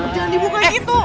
jangan dibuka gitu